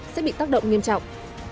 sẽ bị tác động nghiêm trọng